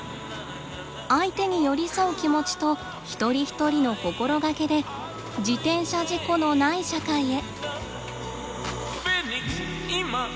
相手に寄り添う気持ちと一人一人の心がけで自転車事故のない社会へ。